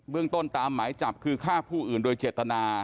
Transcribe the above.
เรื่องต้นตามหมายจับคือฆ่าผู้อื่นโดยเจตนา